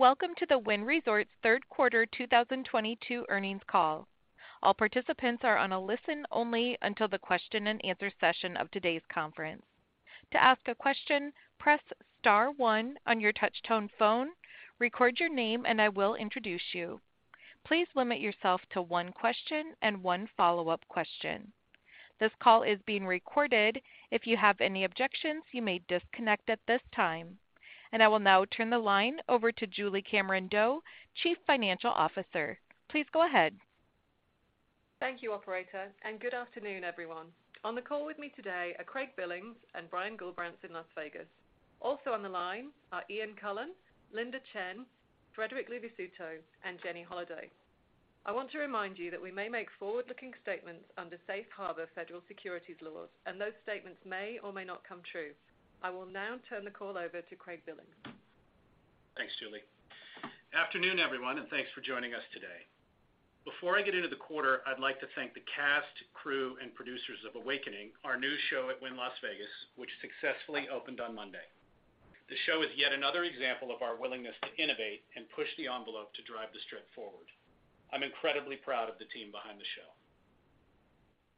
Welcome to the Wynn Resorts third quarter 2022 earnings call. All participants are on a listen-only until the question and answer session of today's conference. To ask a question, press star one on your touchtone phone, record your name, and I will introduce you. Please limit yourself to one question and one follow-up question. This call is being recorded. If you have any objections, you may disconnect at this time. I will now turn the line over to Julie Cameron-Doe, Chief Financial Officer. Please go ahead. Thank you, operator, and good afternoon, everyone. On the call with me today are Craig Billings and Brian Gullbrants, Las Vegas. Also on the line are Ian Coughlan, Linda Chen, Frederic Luvisutto, and Jenny Holaday. I want to remind you that we may make forward-looking statements under Safe Harbor federal securities laws, and those statements may or may not come true. I will now turn the call over to Craig Billings. Thanks, Julie. Afternoon, everyone, and thanks for joining us today. Before I get into the quarter, I'd like to thank the cast, crew, and producers of Awakening, our new show at Wynn Las Vegas, which successfully opened on Monday. The show is yet another example of our willingness to innovate and push the envelope to drive the strip forward. I'm incredibly proud of the team behind the show.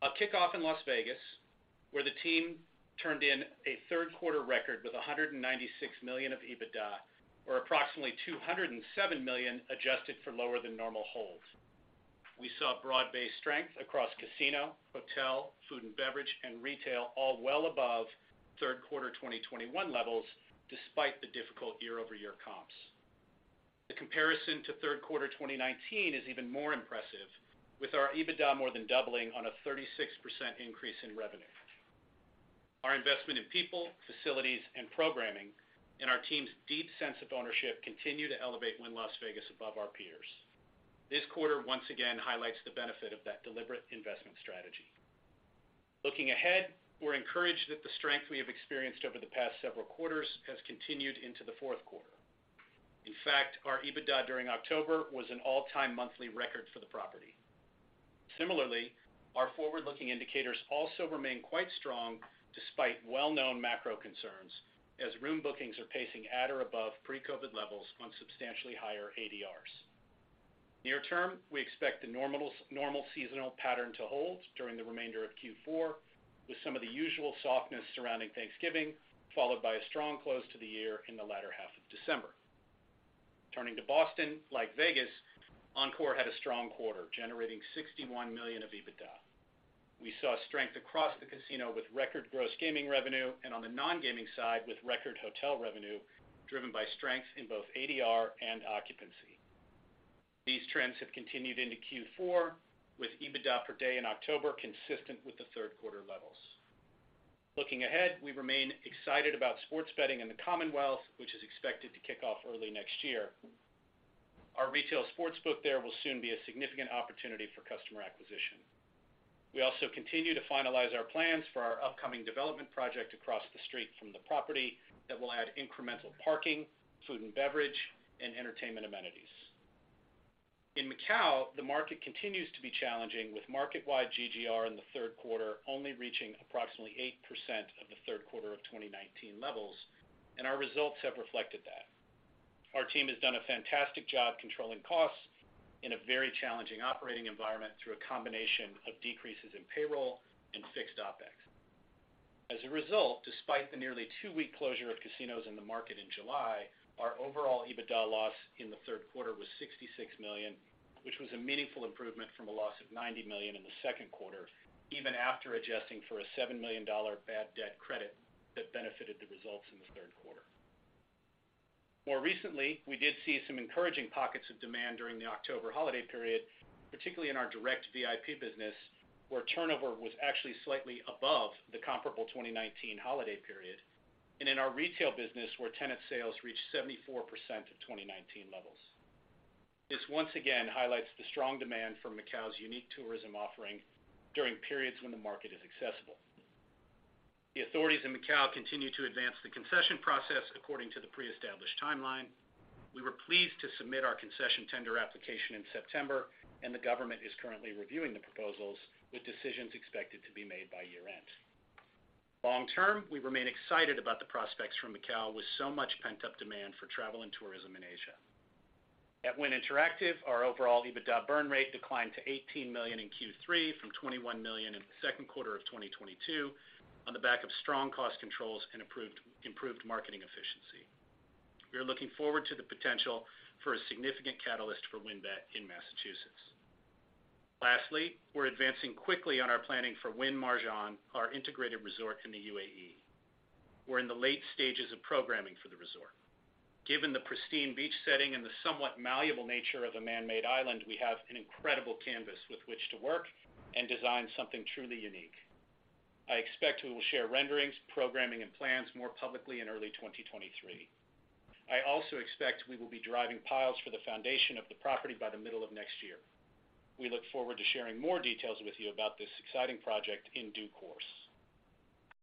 I'll kick off in Las Vegas, where the team turned in a third quarter record with $196 million of EBITDA, or approximately $207 million adjusted for lower than normal holds. We saw broad-based strength across casino, hotel, food and beverage, and retail all well above third quarter 2021 levels despite the difficult year-over-year comps. The comparison to third quarter 2019 is even more impressive, with our EBITDA more than doubling on a 36% increase in revenue. Our investment in people, facilities, and programming, and our team's deep sense of ownership continue to elevate Wynn Las Vegas above our peers. This quarter once again highlights the benefit of that deliberate investment strategy. Looking ahead, we're encouraged that the strength we have experienced over the past several quarters has continued into the fourth quarter. In fact, our EBITDA during October was an all-time monthly record for the property. Similarly, our forward-looking indicators also remain quite strong despite well-known macro concerns, as room bookings are pacing at or above pre-COVID levels on substantially higher ADRs. Near term, we expect the normal seasonal pattern to hold during the remainder of Q4, with some of the usual softness surrounding Thanksgiving, followed by a strong close to the year in the latter half of December. Turning to Boston, like Vegas, Encore had a strong quarter, generating $61 million of EBITDA. We saw strength across the casino with record gross gaming revenue and on the non-gaming side with record hotel revenue, driven by strength in both ADR and occupancy. These trends have continued into Q4, with EBITDA per day in October consistent with the third quarter levels. Looking ahead, we remain excited about sports betting in the Commonwealth, which is expected to kick off early next year. Our retail sportsbook there will soon be a significant opportunity for customer acquisition. We also continue to finalize our plans for our upcoming development project across the street from the property that will add incremental parking, food and beverage, and entertainment amenities. In Macau, the market continues to be challenging, with market-wide GGR in the third quarter only reaching approximately 8% of the third quarter of 2019 levels, and our results have reflected that. Our team has done a fantastic job controlling costs in a very challenging operating environment through a combination of decreases in payroll and fixed OpEx. As a result, despite the nearly two-week closure of casinos in the market in July, our overall EBITDA loss in the third quarter was $66 million, which was a meaningful improvement from a loss of $90 million in the second quarter, even after adjusting for a $7 million bad debt credit that benefited the results in the third quarter. More recently, we did see some encouraging pockets of demand during the October holiday period, particularly in our direct VIP business, where turnover was actually slightly above the comparable 2019 holiday period, and in our retail business, where tenant sales reached 74% of 2019 levels. This once again highlights the strong demand for Macau's unique tourism offering during periods when the market is accessible. The authorities in Macau continue to advance the concession process according to the pre-established timeline. We were pleased to submit our concession tender application in September, and the government is currently reviewing the proposals, with decisions expected to be made by year-end. Long-term, we remain excited about the prospects for Macau, with so much pent-up demand for travel and tourism in Asia. At Wynn Interactive, our overall EBITDA burn rate declined to $18 million in Q3 from $21 million in the second quarter of 2022 on the back of strong cost controls and improved marketing efficiency. We are looking forward to the potential for a significant catalyst for WynnBET in Massachusetts. Lastly, we're advancing quickly on our planning for Wynn Al Marjan Island, our integrated resort in the U.A.E. We're in the late stages of programming for the resort. Given the pristine beach setting and the somewhat malleable nature of a man-made island, we have an incredible canvas with which to work and design something truly unique. I expect we will share renderings, programming, and plans more publicly in early 2023. I also expect we will be driving piles for the foundation of the property by the middle of next year. We look forward to sharing more details with you about this exciting project in due course.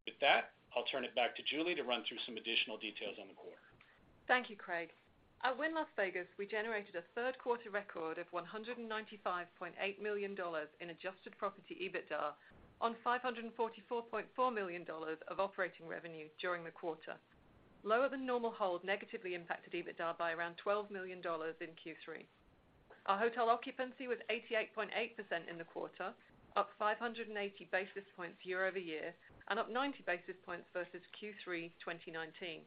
With that, I'll turn it back to Julie to run through some additional details on the quarter. Thank you, Craig. At Wynn Las Vegas, we generated a third quarter record of $195.8 million in adjusted property EBITDA on $544.4 million of operating revenue during the quarter. Lower than normal hold negatively impacted EBITDA by around $12 million in Q3. Our hotel occupancy was 88.8% in the quarter, up 580 basis points year-over-year, and up 90 basis points versus Q3 2019.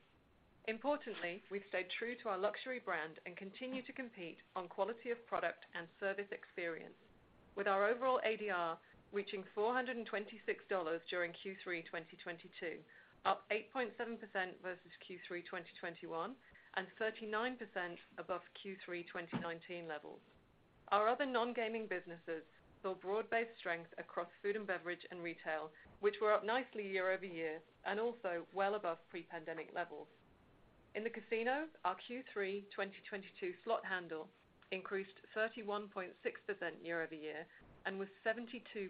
Importantly, we've stayed true to our luxury brand and continue to compete on quality of product and service experience. With our overall ADR reaching $426 during Q3 2022, up 8.7% versus Q3 2021 and 39% above Q3 2019 levels. Our other non-gaming businesses saw broad-based strength across food and beverage and retail, which were up nicely year-over-year and also well above pre-pandemic levels. In the casino, our Q3 2022 slot handle increased 31.6% year-over-year and was 72.2%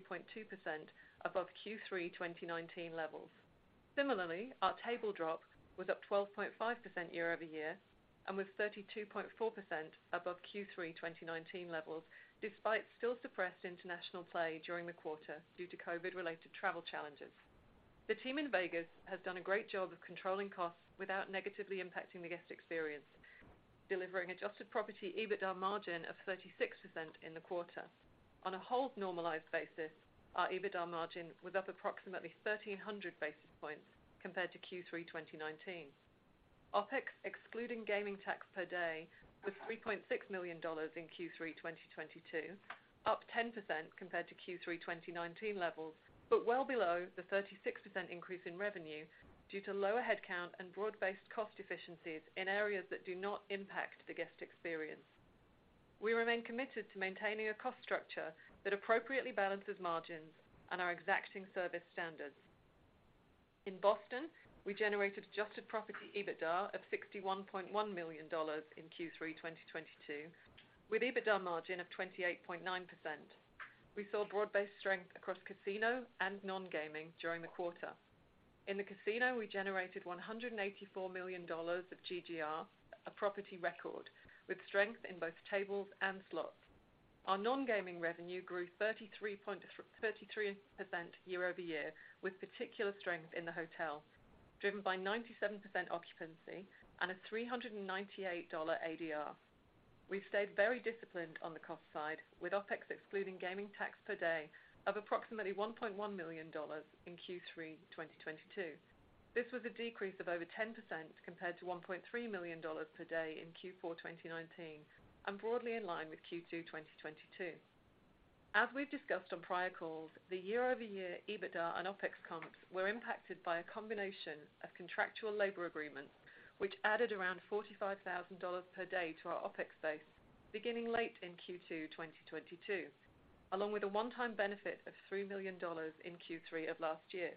above Q3 2019 levels. Similarly, our table drops was up 12.5% year-over-year and was 32.4% above Q3 2019 levels, despite still suppressed international play during the quarter due to COVID-related travel challenges. The team in Vegas has done a great job of controlling costs without negatively impacting the guest experience, delivering adjusted property EBITDA margin of 36% in the quarter. On a whole normalized basis, our EBITDA margin was up approximately 1,300 basis points compared to Q3 2019. OpEx, excluding gaming tax per day, was $3.6 million in Q3 2022, up 10% compared to Q3 2019 levels, but well below the 36% increase in revenue due to lower headcount and broad-based cost efficiencies in areas that do not impact the guest experience. We remain committed to maintaining a cost structure that appropriately balances margins and our exacting service standards. In Boston, we generated adjusted property EBITDA of $61.1 million in Q3 2022, with EBITDA margin of 28.9%. We saw broad-based strength across casino and non-gaming during the quarter. In the casino, we generated $184 million of GGR, a property record with strength in both tables and slots. Our non-gaming revenue grew 33% year-over-year, with particular strength in the hotel, driven by 97% occupancy and a $398 ADR. We've stayed very disciplined on the cost side, with OpEx excluding gaming tax per day of approximately $1.1 million in Q3 2022. This was a decrease of over 10% compared to $1.3 million per day in Q4 2019 and broadly in line with Q2 2022. As we've discussed on prior calls, the year-over-year EBITDA and OpEx comps were impacted by a combination of contractual labor agreements, which added around $45,000 per day to our OpEx base beginning late in Q2 2022, along with a one-time benefit of $3 million in Q3 of last year.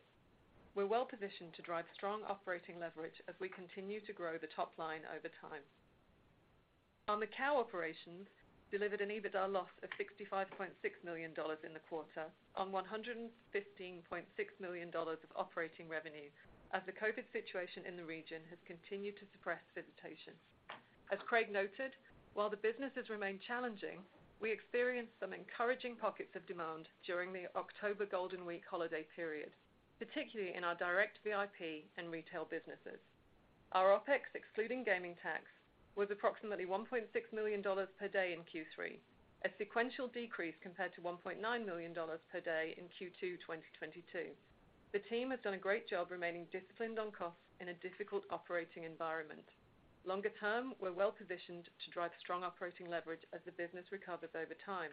We're well-positioned to drive strong operating leverage as we continue to grow the top line over time. On the Macau operations, delivered an EBITDA loss of $65.6 million in the quarter on $115.6 million of operating revenue as the COVID situation in the region has continued to suppress visitation. As Craig noted, while the businesses remain challenging, we experienced some encouraging pockets of demand during the October Golden Week holiday period, particularly in our direct VIP and retail businesses. Our OpEx, excluding gaming tax, was approximately $1.6 million per day in Q3, a sequential decrease compared to $1.9 million per day in Q2 2022. The team has done a great job remaining disciplined on costs in a difficult operating environment. Longer term, we're well-positioned to drive strong operating leverage as the business recovers over time.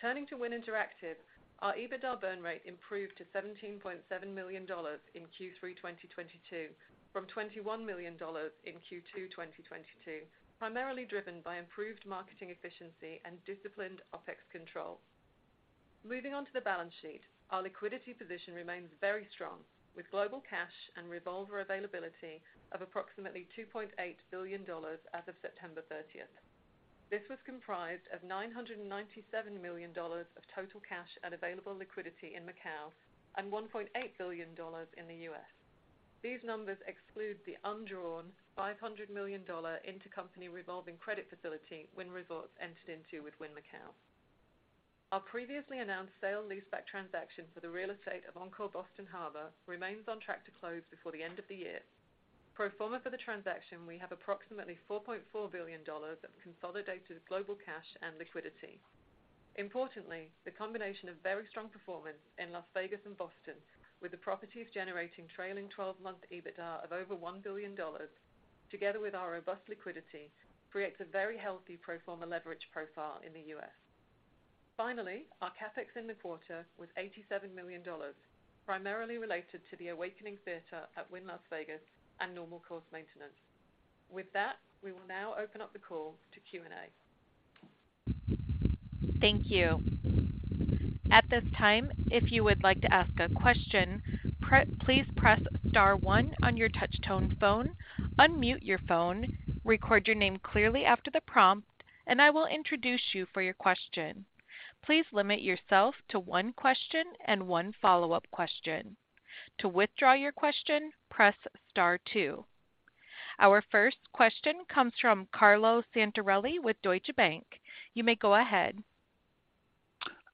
Turning to Wynn Interactive, our EBITDA burn rate improved to $17.7 million in Q3 2022 from $21 million in Q2 2022, primarily driven by improved marketing efficiency and disciplined OpEx controls. Moving on to the balance sheet, our liquidity position remains very strong, with global cash and revolver availability of approximately $2.8 billion as of September 30. This was comprised of $997 million of total cash and available liquidity in Macau and $1.8 billion in the U.S. These numbers exclude the undrawn $500 million intercompany revolving credit facility Wynn Resorts entered into with Wynn Macau. Our previously announced sale leaseback transaction for the real estate of Encore Boston Harbor remains on track to close before the end of the year. Pro forma for the transaction, we have approximately $4.4 billion of consolidated global cash and liquidity. Importantly, the combination of very strong performance in Las Vegas and Boston, with the properties generating trailing twelve-month EBITDA of over $1 billion together with our robust liquidity, creates a very healthy pro forma leverage profile in the U.S. Finally, our CapEx in the quarter was $87 million, primarily related to the Awakening Theater at Wynn Las Vegas and normal course maintenance. With that, we will now open up the call to Q&A. Thank you. At this time, if you would like to ask a question, please press star one on your touch tone phone, unmute your phone, record your name clearly after the prompt, and I will introduce you for your question. Please limit yourself to one question and one follow-up question. To withdraw your question, press Star two. Our first question comes from Carlo Santarelli with Deutsche Bank. You may go ahead.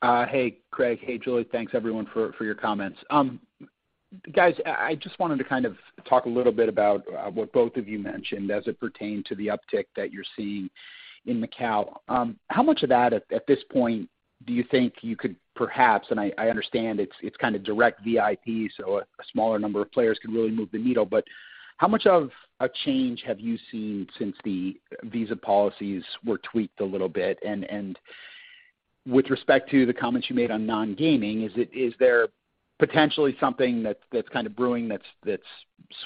Hey, Craig. Hey, Julie. Thanks everyone for your comments. Guys, I just wanted to kind of talk a little bit about what both of you mentioned as it pertained to the uptick that you're seeing in Macau. How much of that at this point do you think you could perhaps, and I understand it's kind of direct VIP, so a smaller number of players can really move the needle, but how much of a change have you seen since the visa policies were tweaked a little bit? With respect to the comments you made on non-gaming, is there potentially something that's kind of brewing that's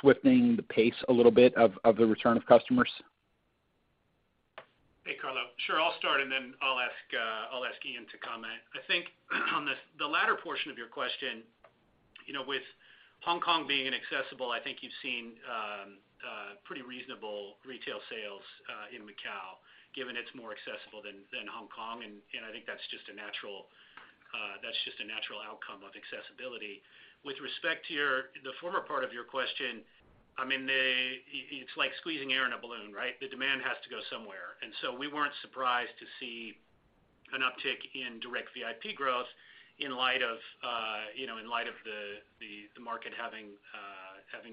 shifting the pace a little bit of the return of customers? Hey, Carlo. Sure, I'll start, and then I'll ask Ian to comment. I think on the latter portion of your question, you know, with Hong Kong being inaccessible, I think you've seen pretty reasonable retail sales in Macau, given it's more accessible than Hong Kong. I think that's just a natural outcome of accessibility. With respect to the former part of your question, I mean. It's like squeezing air in a balloon, right? The demand has to go somewhere. We weren't surprised to see an uptick in direct VIP growth in light of you know, in light of the market having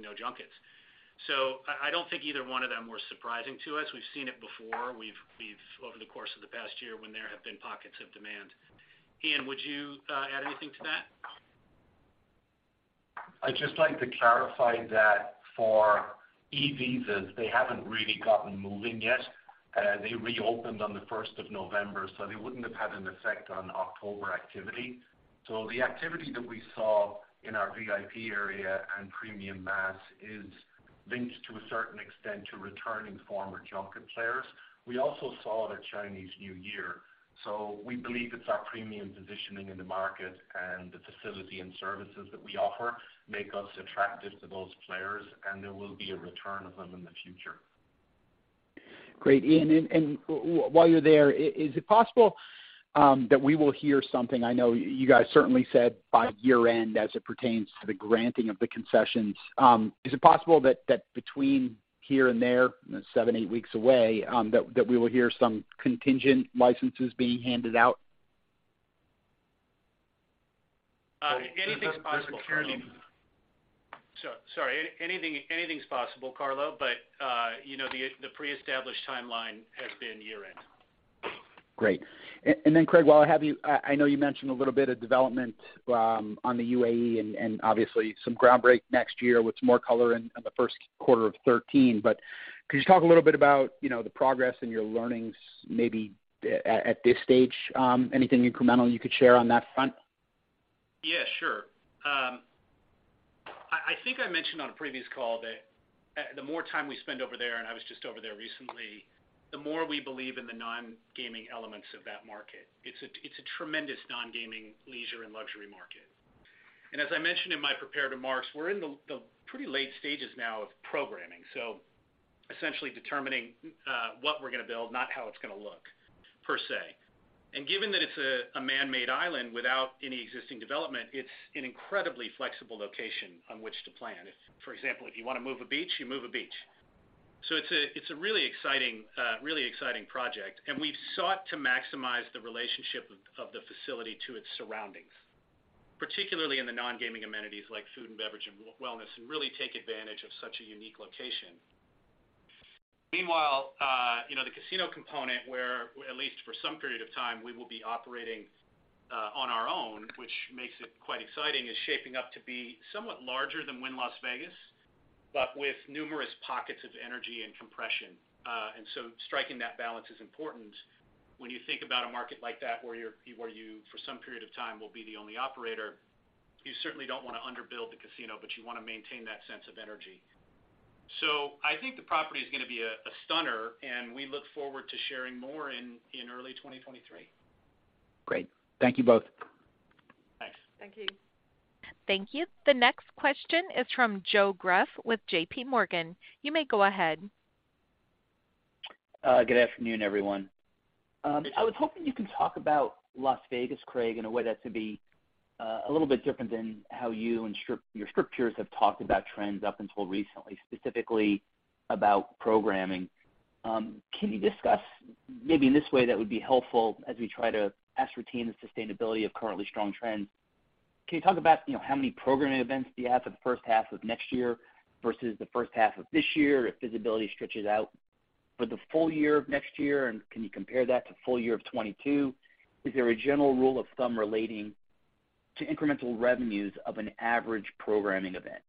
no junkets. I don't think either one of them were surprising to us. We've seen it before. We've over the course of the past year when there have been pockets of demand. Ian, would you add anything to that? I'd just like to clarify that for e-visas, they haven't really gotten moving yet. They reopened on the first of November, so they wouldn't have had an effect on October activity. The activity that we saw in our VIP area and premium mass is linked to a certain extent to returning former junket players. We also saw it at Chinese New Year. We believe it's our premium positioning in the market and the facility and services that we offer make us attractive to those players, and there will be a return of them in the future. Great, Ian. While you're there, is it possible that we will hear something I know you guys certainly said by year-end as it pertains to the granting of the concessions? Is it possible that between here and there, 7-8 weeks away, that we will hear some contingent licenses being handed out? Anything's possible, Carlo. Sorry. Anything's possible, Carlo, but you know, the pre-established timeline has been year-end. Great. Craig, while I have you, I know you mentioned a little bit of development on the U.A.E and obviously some groundbreaking next year with more color in the first quarter of 2023. Could you talk a little bit about, you know, the progress and your learnings maybe at this stage, anything incremental you could share on that front? Yeah, sure. I think I mentioned on a previous call that the more time we spend over there, and I was just over there recently, the more we believe in the non-gaming elements of that market. It's a tremendous non-gaming leisure and luxury market. As I mentioned in my prepared remarks, we're in the pretty late stages now of programming, so essentially determining what we're gonna build, not how it's gonna look, per se. Given that it's a man-made island without any existing development, it's an incredibly flexible location on which to plan. For example, if you wanna move a beach, you move a beach. It's a really exciting project, and we've sought to maximize the relationship of the facility to its surroundings, particularly in the non-gaming amenities like food and beverage and wellness, and really take advantage of such a unique location. Meanwhile, you know, the casino component, where at least for some period of time, we will be operating on our own, which makes it quite exciting, is shaping up to be somewhat larger than Wynn Las Vegas, but with numerous pockets of energy and compression. Striking that balance is important when you think about a market like that, where you for some period of time will be the only operator. You certainly don't wanna underbuild the casino, but you wanna maintain that sense of energy. I think the property is gonna be a stunner, and we look forward to sharing more in early 2023. Great. Thank you both. Thanks. Thank you. Thank you. The next question is from Joseph Greff with JPMorgan. You may go ahead. Good afternoon, everyone. I was hoping you could talk about Las Vegas, Craig, in a way that could be a little bit different than how you and your Strip peers have talked about trends up until recently, specifically about programming. Can you discuss maybe in this way that would be helpful as we try to ascertain the sustainability of currently strong trends. Can you talk about, you know, how many programming events do you have for the first half of next year versus the first half of this year, if visibility stretches out for the full year of next year, and can you compare that to full year of 2022? Is there a general rule of thumb relating to incremental revenues of an average programming event?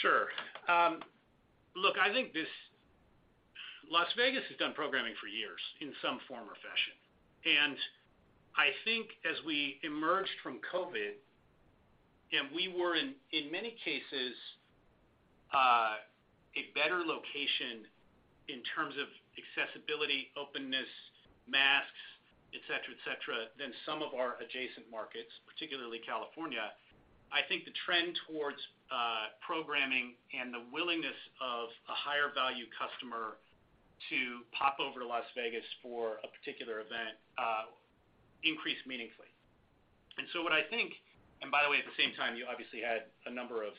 Sure. Look, I think Las Vegas has done programming for years in some form or fashion. I think as we emerged from COVID, and we were in many cases a better location in terms of accessibility, openness, masks, et cetera, et cetera, than some of our adjacent markets, particularly California. I think the trend towards programming and the willingness of a higher value customer to pop over to Las Vegas for a particular event increased meaningfully. By the way, at the same time, you obviously had a number of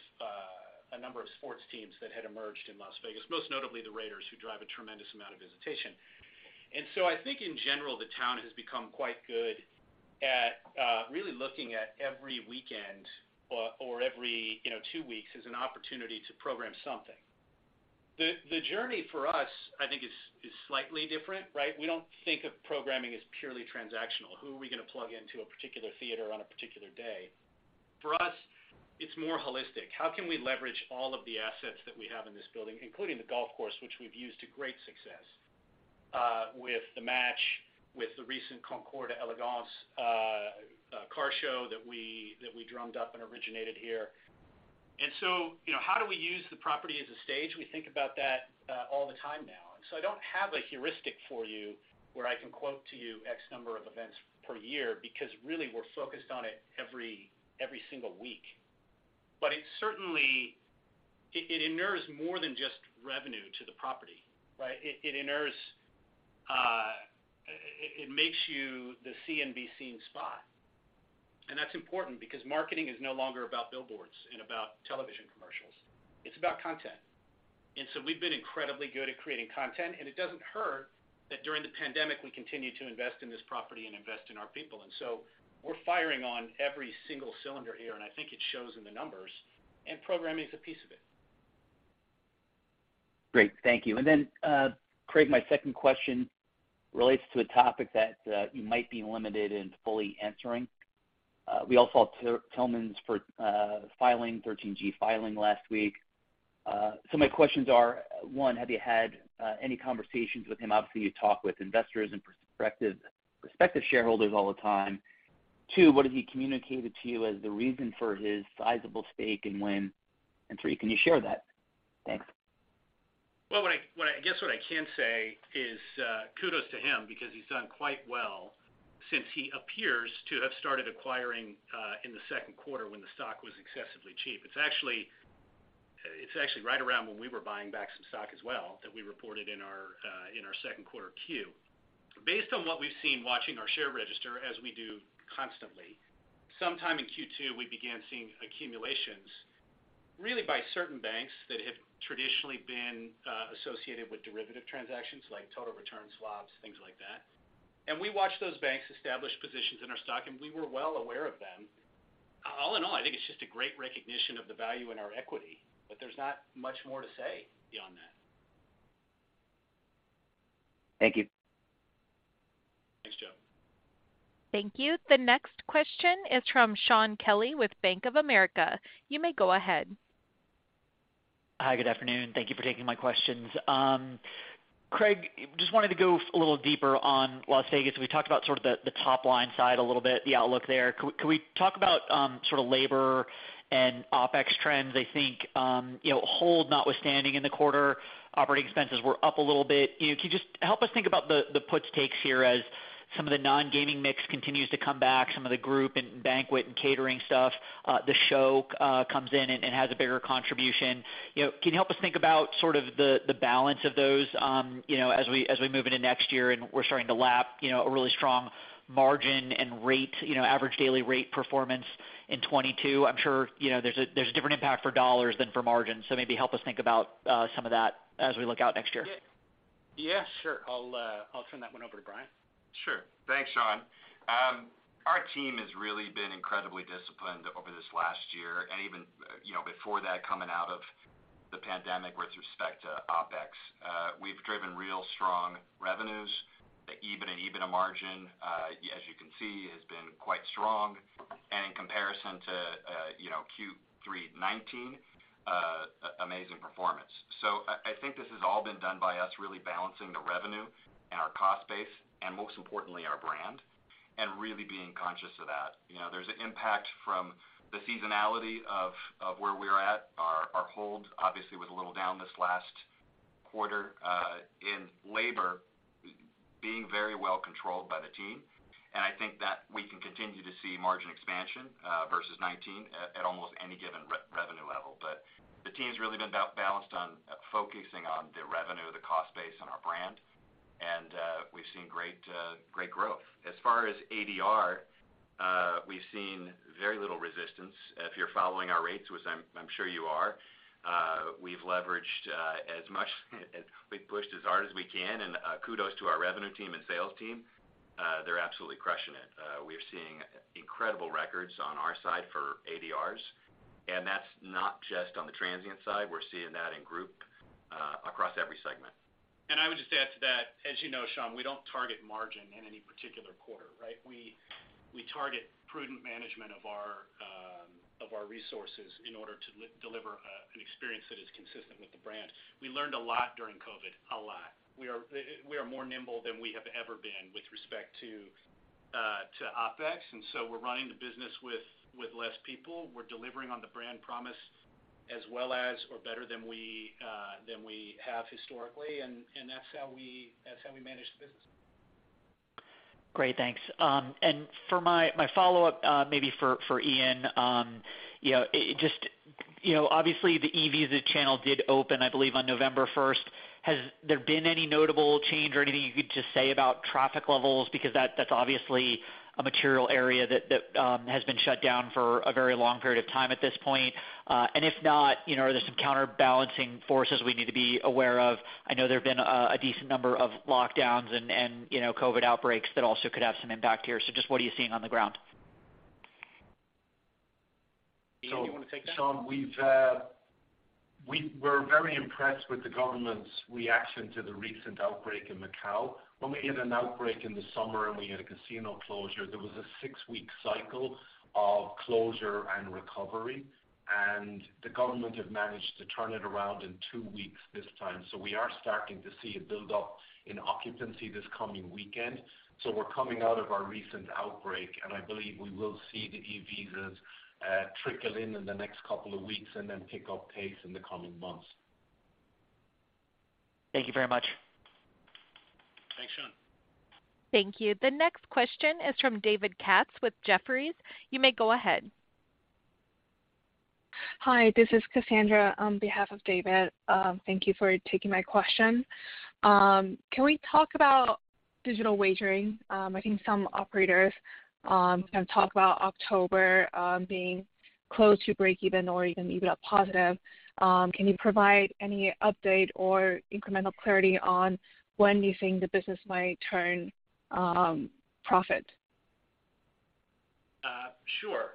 sports teams that had emerged in Las Vegas, most notably the Raiders, who drive a tremendous amount of visitation. I think in general, the town has become quite good at really looking at every weekend or every you know two weeks as an opportunity to program something. The journey for us, I think, is slightly different, right? We don't think of programming as purely transactional. Who are we gonna plug into a particular theater on a particular day? For us, it's more holistic. How can we leverage all of the assets that we have in this building, including the golf course, which we've used to great success with the match, with the recent Concours d'Elegance car show that we drummed up and originated here. You know, how do we use the property as a stage? We think about that all the time now. I don't have a heuristic for you where I can quote to you X number of events per year because really we're focused on it every single week. It certainly inures more than just revenue to the property, right? It makes you the see and be seen spot. That's important because marketing is no longer about billboards and about television commercials. It's about content. We've been incredibly good at creating content, and it doesn't hurt that during the pandemic, we continued to invest in this property and invest in our people. We're firing on every single cylinder here, and I think it shows in the numbers, and programming is a piece of it. Great. Thank you. Craig, my second question relates to a topic that you might be limited in fully answering. We all saw Tilman Fertitta's Schedule 13G filing last week. So my questions are, one, have you had any conversations with him? Obviously, you talk with investors and prospective shareholders all the time. Two, what has he communicated to you as the reason for his sizable stake and when? And three, can you share that? Thanks. Well, I guess what I can say is kudos to him because he's done quite well since he appears to have started acquiring in the second quarter when the stock was excessively cheap. It's actually right around when we were buying back some stock as well that we reported in our second quarter 10-Q. Based on what we've seen watching our share register as we do constantly, sometime in Q2, we began seeing accumulations really by certain banks that have traditionally been associated with derivative transactions like total return swaps, things like that. We watched those banks establish positions in our stock, and we were well aware of them. All in all, I think it's just a great recognition of the value in our equity, but there's not much more to say beyond that. Thank you. Thanks, Joe. Thank you. The next question is from Shaun Kelley with Bank of America. You may go ahead. Hi. Good afternoon. Thank you for taking my questions. Craig, just wanted to go a little deeper on Las Vegas. We talked about sort of the top-line side a little bit, the outlook there. Could we talk about sort of labor and OpEx trends? I think you know, hold notwithstanding in the quarter, operating expenses were up a little bit. You know, can you just help us think about the puts and takes here as some of the non-gaming mix continues to come back, some of the group and banquet and catering stuff, the show comes in and has a bigger contribution. You know, can you help us think about sort of the balance of those, you know, as we move into next year and we're starting to lap, you know, a really strong margin and rate, you know, average daily rate performance in 2022? I'm sure, you know, there's a different impact for dollars than for margin. Maybe help us think about some of that as we look out next year. Yeah. Yeah, sure. I'll turn that one over to Brian. Sure. Thanks, Shaun. Our team has really been incredibly disciplined over this last year and even, you know, before that coming out of the pandemic with respect to OpEx. We've driven real strong revenues. The EBITDA margin, as you can see, has been quite strong. In comparison to, you know, Q3 2019, amazing performance. I think this has all been done by us really balancing the revenue and our cost base, and most importantly, our brand, and really being conscious of that. You know, there's an impact from the seasonality of where we're at. Our hold obviously was a little down this last quarter, in labor being very well controlled by the team. I think that we can continue to see margin expansion, versus 2019 at almost any given revenue level. The team's really been balanced on focusing on the revenue, the cost base and our brand. We've seen great growth. As far as ADR, we've seen very little resistance. If you're following our rates, which I'm sure you are, we've leveraged as much as we've pushed as hard as we can. Kudos to our revenue team and sales team. They're absolutely crushing it. We are seeing incredible records on our side for ADRs, and that's not just on the transient side. We're seeing that in group across every segment. I would just add to that, as you know, Shaun, we don't target margin in any particular quarter, right? We target prudent management of our resources in order to deliver an experience that is consistent with the brand. We learned a lot during COVID. We are more nimble than we have ever been with respect to OpEx, and so we're running the business with less people. We're delivering on the brand promise as well as or better than we have historically, and that's how we manage the business. Great. Thanks. For my follow-up, maybe for Ian, you know, it just. You know, obviously the e-visa channel did open, I believe, on November first. Has there been any notable change or anything you could just say about traffic levels? Because that's obviously a material area that has been shut down for a very long period of time at this point. If not, you know, are there some counterbalancing forces we need to be aware of? I know there have been a decent number of lockdowns and you know, COVID outbreaks that also could have some impact here. Just what are you seeing on the ground? Ian, do you wanna take that? Shaun, we're very impressed with the government's reaction to the recent outbreak in Macau. When we had an outbreak in the summer, and we had a casino closure, there was a six-week cycle of closure and recovery. The government have managed to turn it around in two weeks this time. We're coming out of our recent outbreak, and I believe we will see the e-visas trickle in in the next couple of weeks and then pick up pace in the coming months. Thank you very much. Thanks, Shaun. Thank you. The next question is from David Katz with Jefferies. You may go ahead. Hi, this is Cassandra on behalf of David. Thank you for taking my question. Can we talk about digital wagering? I think some operators kind of talk about October being close to breakeven or even EBITDA positive. Can you provide any update or incremental clarity on when you think the business might turn profit? Sure.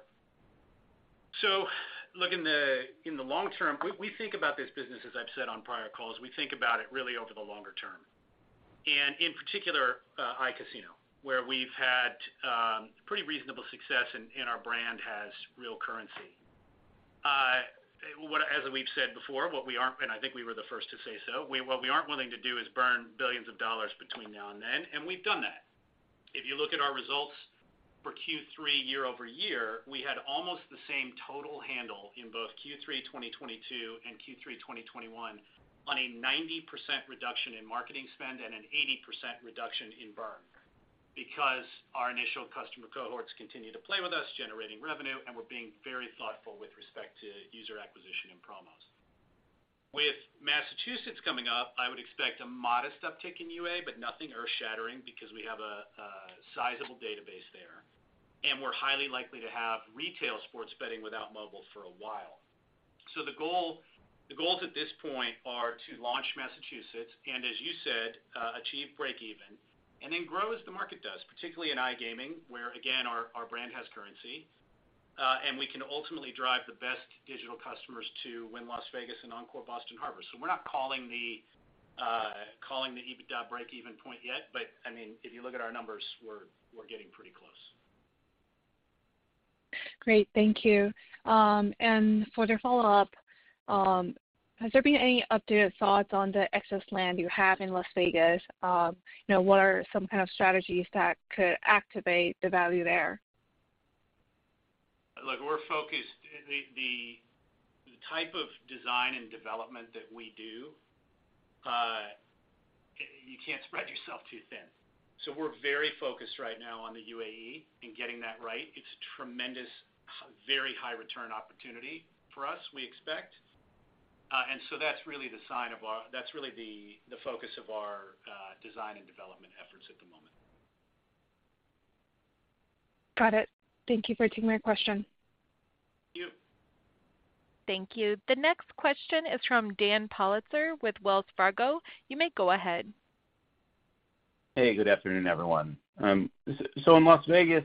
Look, in the long term, we think about this business, as I've said on prior calls, we think about it really over the longer term. In particular, iCasino, where we've had pretty reasonable success and our brand has real currency. As we've said before, what we aren't willing to do is burn billions of dollars between now and then, and I think we were the first to say so. We've done that. If you look at our results for Q3 year-over-year, we had almost the same total handle in both Q3 2022 and Q3 2021 on a 90% reduction in marketing spend and an 80% reduction in burn. Because our initial customer cohorts continue to play with us, generating revenue, and we're being very thoughtful with respect to user acquisition and promos. With Massachusetts coming up, I would expect a modest uptick in UA, but nothing earth-shattering because we have a sizable database there, and we're highly likely to have retail sports betting without mobile for a while. The goals at this point are to launch Massachusetts and, as you said, achieve breakeven and then grow as the market does, particularly in iGaming, where again, our brand has currency. We can ultimately drive the best digital customers to Wynn Las Vegas and Encore Boston Harbor. We're not calling the EBITDA breakeven point yet, but I mean, if you look at our numbers, we're getting pretty close. Great. Thank you. For the follow-up, has there been any updated thoughts on the excess land you have in Las Vegas? You know, what are some kind of strategies that could activate the value there? Look, we're focused. The type of design and development that we do, you can't spread yourself too thin. We're very focused right now on the U.A.E and getting that right. It's a tremendous, very high return opportunity for us, we expect. That's really the focus of our design and development efforts at the moment. Got it. Thank you for taking my question. Thank you. Thank you. The next question is from Dan Politzer with Wells Fargo. You may go ahead. Hey, good afternoon, everyone. In Las Vegas,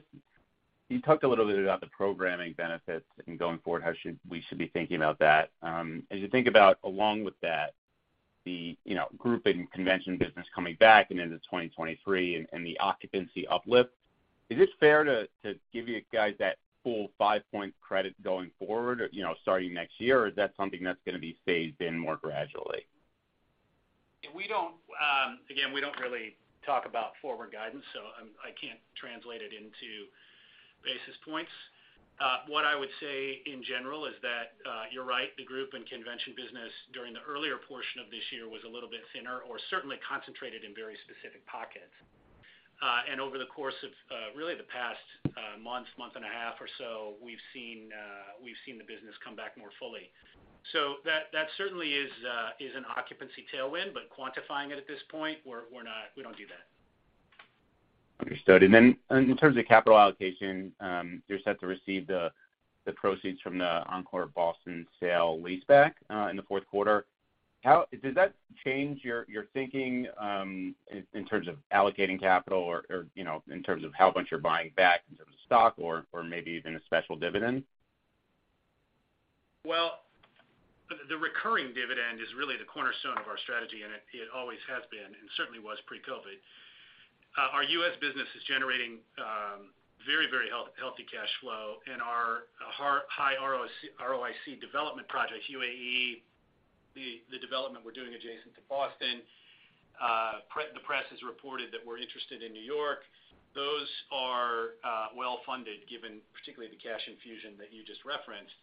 you talked a little bit about the programming benefits and going forward, we should be thinking about that. As you think about along with that, the, you know, group and convention business coming back and into 2023 and the occupancy uplift, is it fair to give you guys that full five-point credit going forward, you know, starting next year? Or is that something that's gonna be phased in more gradually? We don't, again, we don't really talk about forward guidance, so I can't translate it into basis points. What I would say in general is that you're right. The group and convention business during the earlier portion of this year was a little bit thinner or certainly concentrated in very specific pockets. Over the course of really the past month and a half or so, we've seen the business come back more fully. That certainly is an occupancy tailwind, but quantifying it at this point, we don't do that. Understood. Then in terms of capital allocation, you're set to receive the proceeds from the Encore Boston sale leaseback in the fourth quarter. Does that change your thinking in terms of allocating capital or, you know, in terms of how much you're buying back in terms of stock or maybe even a special dividend? Well, the recurring dividend is really the cornerstone of our strategy, and it always has been, and certainly was pre-COVID. Our U.S. business is generating very healthy cash flow in our high ROIC development projects, U.A.E, the development we're doing adjacent to Boston. The press has reported that we're interested in New York. Those are well-funded, given particularly the cash infusion that you just referenced.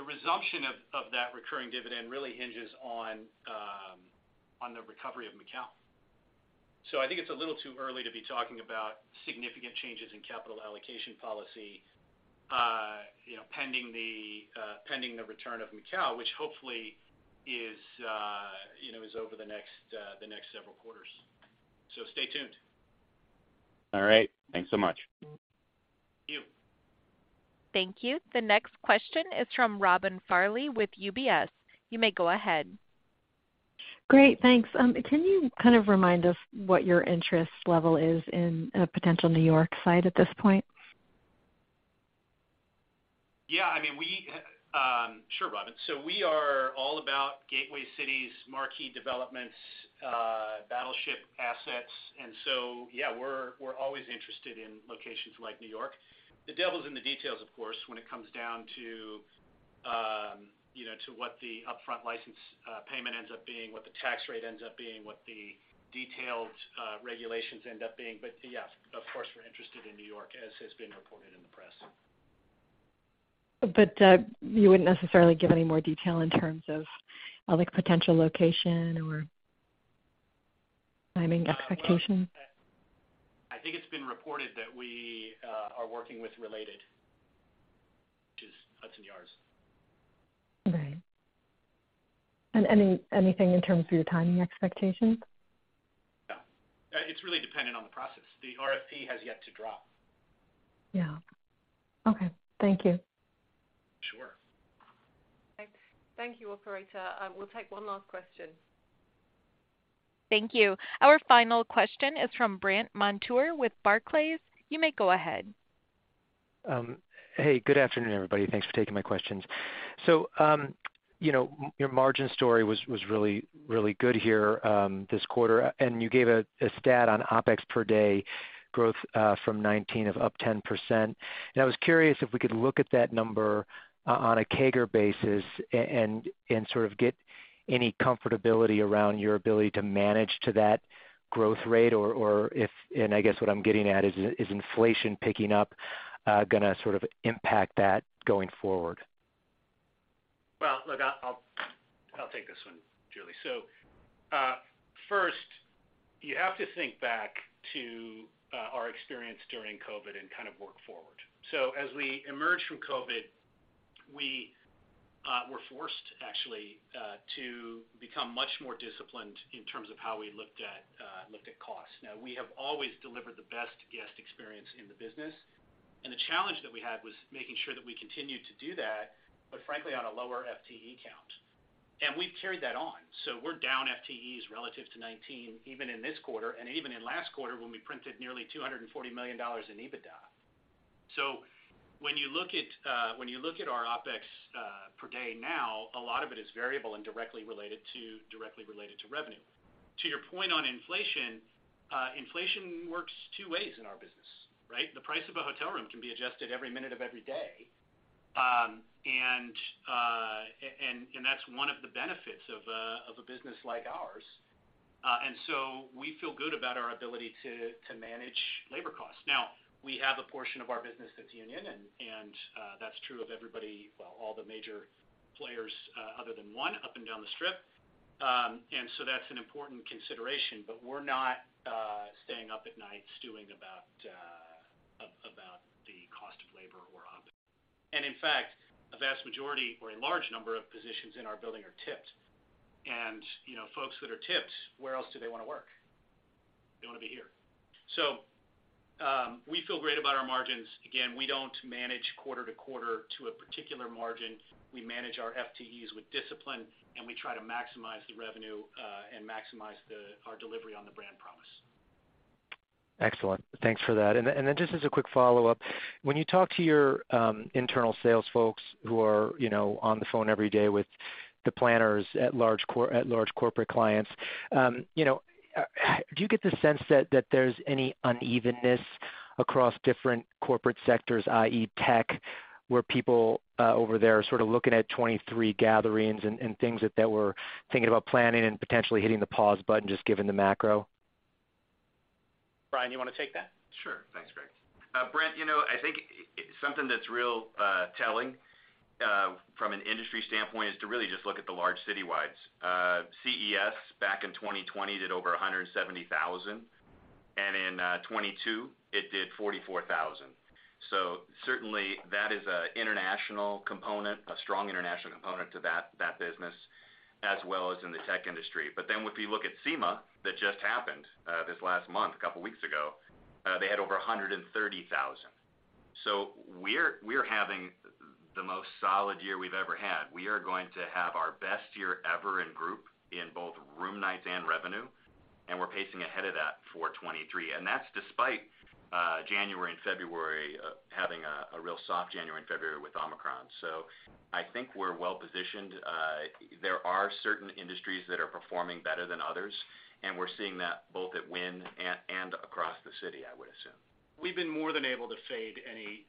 The resumption of that recurring dividend really hinges on the recovery of Macau. I think it's a little too early to be talking about significant changes in capital allocation policy, you know, pending the return of Macau, which hopefully is, you know, over the next several quarters. Stay tuned. All right. Thanks so much. Thank you. Thank you. The next question is from Robin Farley with UBS. You may go ahead. Great, thanks. Can you kind of remind us what your interest level is in a potential New York site at this point? Yeah, I mean, sure, Robin. We are all about gateway cities, marquee developments, battleship assets, and so, yeah, we're always interested in locations like New York. The devil's in the details, of course, when it comes down to, you know, to what the upfront license payment ends up being, what the tax rate ends up being, what the detailed regulations end up being. Yeah, of course, we're interested in New York, as has been reported in the press. you wouldn't necessarily give any more detail in terms of like potential location or timing expectation? I think it's been reported that we are working with Related, which is Hudson Yards. Right. Anything in terms of your timing expectations? No. It's really dependent on the process. The RFP has yet to drop. Yeah. Okay, thank you. Sure. Thank you, operator. We'll take one last question. Thank you. Our final question is from Brandt Montour with Barclays. You may go ahead. Hey, good afternoon, everybody. Thanks for taking my questions. You know, your margin story was really good here this quarter. You gave a stat on OpEx per day growth from 2019 up 10%. I was curious if we could look at that number on a CAGR basis and sort of get any comfortability around your ability to manage to that growth rate or if inflation picking up is gonna sort of impact that going forward? Well, look, I'll take this one, Julie. First, you have to think back to our experience during COVID and kind of work forward. As we emerge from COVID, we were forced actually to become much more disciplined in terms of how we looked at costs. Now, we have always delivered the best guest experience in the business, and the challenge that we had was making sure that we continued to do that, but frankly, on a lower FTE count. We've carried that on. We're down FTEs relative to 2019 even in this quarter and even in last quarter when we printed nearly $240 million in EBITDA. When you look at our OpEx per day now, a lot of it is variable and directly related to revenue. To your point on inflation works two ways in our business, right? The price of a hotel room can be adjusted every minute of every day. And that's one of the benefits of a business like ours. We feel good about our ability to manage labor costs. Now, we have a portion of our business that's union, and that's true of everybody, well, all the major players, other than one up and down the Strip. That's an important consideration. But we're not staying up at night stewing about the cost of labor or OpEx. In fact, a vast majority or a large number of positions in our building are tipped. You know, folks that are tipped, where else do they wanna work? They wanna be here. We feel great about our margins. Again, we don't manage quarter-to-quarter to a particular margin. We manage our FTEs with discipline, and we try to maximize the revenue and maximize our delivery on the brand promise. Excellent. Thanks for that. Just as a quick follow-up, when you talk to your internal sales folks who are, you know, on the phone every day with the planners at large corporate clients, you know, do you get the sense that there's any unevenness across different corporate sectors, i.e., tech, where people over there are sort of looking at 2023 gatherings and things that we're thinking about planning and potentially hitting the pause button just given the macro? Brian, you wanna take that? Sure. Thanks, Craig. Brandt, you know, I think something that's real telling from an industry standpoint is to really just look at the large citywides. CES back in 2020 did over 170,000, and in 2022, it did 44,000. Certainly, that is an international component, a strong international component to that business as well as in the tech industry. But then if you look at SEMA, that just happened this last month, a couple weeks ago, they had over 130,000. So we're having the most solid year we've ever had. We are going to have our best year ever in group in both room nights and revenue, and we're pacing ahead of that for 2023. That's despite a real soft January and February with Omicron. I think we're well positioned. There are certain industries that are performing better than others, and we're seeing that both at Wynn and across the city, I would assume. We've been more than able to fade any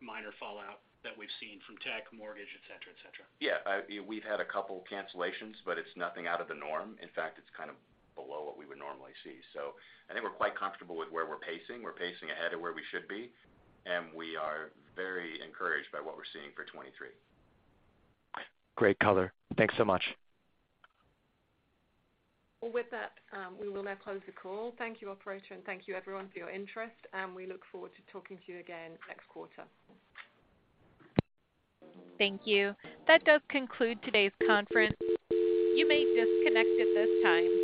minor fallout that we've seen from tech, mortgage, et cetera, et cetera. Yeah. We've had a couple cancellations, but it's nothing out of the norm. In fact, it's kind of below what we would normally see. I think we're quite comfortable with where we're pacing. We're pacing ahead of where we should be, and we are very encouraged by what we're seeing for 2023. Great color. Thanks so much. Well, with that, we will now close the call. Thank you, operator, and thank you everyone for your interest, and we look forward to talking to you again next quarter. Thank you. That does conclude today's conference. You may disconnect at this time.